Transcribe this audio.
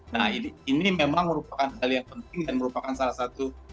nah ini memang merupakan hal yang penting dan merupakan salah satu